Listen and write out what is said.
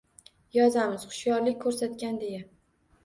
Yozamiz: «Hushyorlik ko’rsatgan», deya.